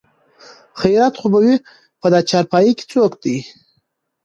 خېرت خو به وي په دا چارپايي کې څوک دي?